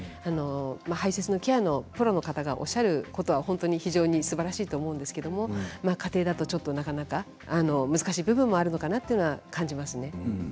排せつのケアのプロの方がおっしゃるのは非常にすばらしいと思うんですが家庭だとなかなか難しい部分もあるのかなと感じます。